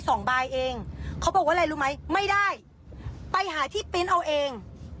สองใบเองเขาบอกว่าอะไรรู้ไหมไม่ได้ไปหาที่ปริ้นต์เอาเอง